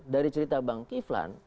dari cerita bang kiflan